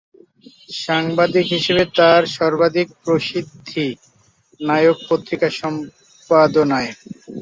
সাংবাদিক হিসাবে তার সর্বাধিক প্রসিদ্ধি 'নায়ক' পত্রিকার সম্পাদনায়।